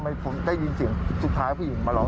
เรื่องเรือของผมนึกว่าเอามาดู